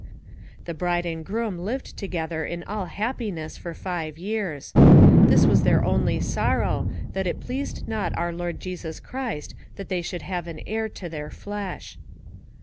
The bride and groom lived together in all happiness for five years. This was their only sorrow, that it pleased not our Lord Jesus Christ that they should have an heir to their flesh.